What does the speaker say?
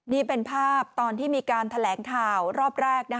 นี่เป็นภาพตอนที่มีการแถลงข่าวรอบแรก